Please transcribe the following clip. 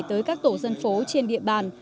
tới các tổ dân phố trên địa bàn